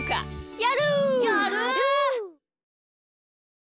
やる！